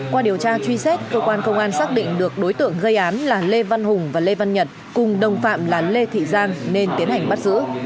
qua điều tra truy xét cơ quan công an xác định được đối tượng gây án là lê văn hùng và lê văn nhật cùng đồng phạm là lê thị giang nên tiến hành bắt giữ